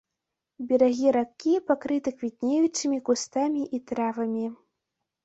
Берагі ракі пакрыты квітнеючымі кустамі і травамі.